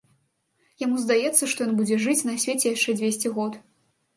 Яму здаецца, што ён будзе жыць на свеце яшчэ дзвесце год.